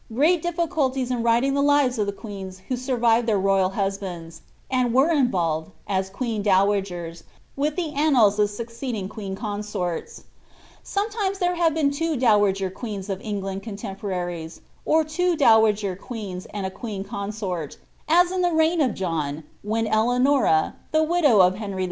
^ reat difficulties in writing the lives of querns who survived their royal husbands, and were involved, as queen^dow egers, with the annals of succeeding queen con so ris. Sometimes there have been two dowager queens of England contemporaries, or two dowager queens and a queen consort, as In the reign of John, when Beanora, the widow of Henry 11.